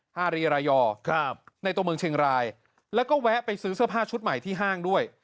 ฮารีรายอร์ในตัวเมืองเชียงรายแล้วก็แวะไปซื้อเสื้อผ้าชุดใหม่ที่ห้างด้วย